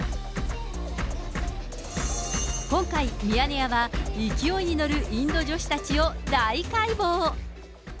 今回、ミヤネ屋は勢いに乗るインド女子たちを大解剖。